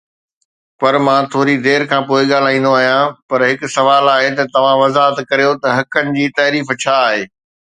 پر مان ٿوري دير کان پوءِ ڳالهائيندو آهيان، پر هڪ سوال آهي ته توهان وضاحت ڪريو ته حقن جي تعريف ڇا آهي؟